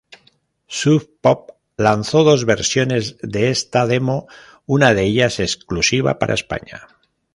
Sub Pop lanzó dos versiones de esta demo, una de ellas exclusiva para España.